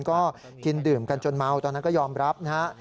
ก็กินดื่มกันจนเมาตอนนั้นก็ยอมรับนะฮะ